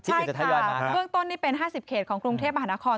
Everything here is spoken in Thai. ใช่ค่ะเบื้องต้นนี่เป็น๕๐เขตของกรุงเทพมหานคร